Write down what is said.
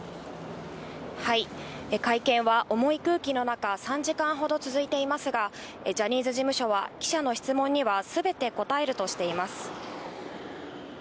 会見は重い空気の中、３時間ほど続いていますが、ジャニーズ事務所は、記者の質問にはすべて答えるとしています。